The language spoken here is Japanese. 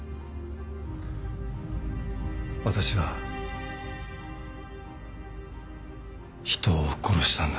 私は人を殺したんだ。